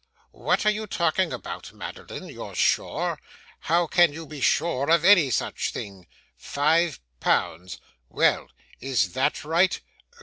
What are you talking about, Madeline? You're sure? How can you be sure of any such thing? Five pounds well, is THAT right?